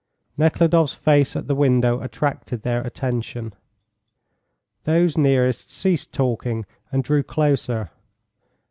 Nekhludoff's face at the window attracted their attention. Those nearest ceased talking and drew closer.